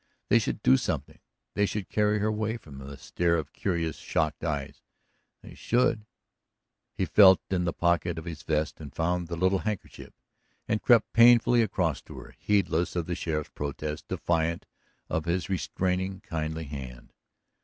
They should do something, they should carry her away from the stare of curious, shocked eyes, they should He felt in the pocket of his vest and found the little handkerchief, and crept painfully across to her, heedless of the sheriff's protest, defiant of his restraining, kindly hand.